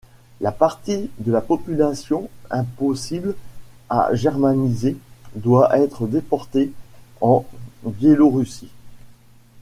La partie de la population impossible à germaniser doit être déportée en Biélorussie.